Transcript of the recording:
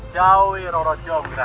jauhi roro jongga